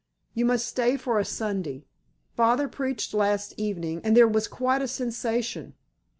You must stay for a Sunday. Father preached last evening, and there was quite a sensation.